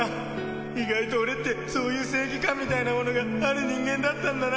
意外と俺ってそういう正義感みたいなものがある人間だったんだな。